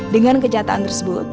dengan kejataan tersebut